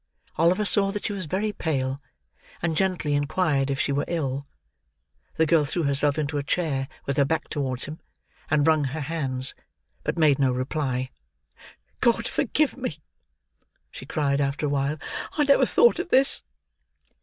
Oliver saw that she was very pale, and gently inquired if she were ill. The girl threw herself into a chair, with her back towards him: and wrung her hands; but made no reply. "God forgive me!" she cried after a while, "I never thought of this."